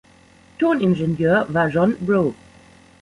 Toningenieur war John Brough.